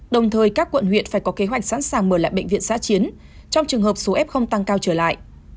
đồng thời các quận huyện phải có kế hoạch sẵn sàng mở lại bệnh viện giã chiến trong trường hợp số f tăng cao trở lại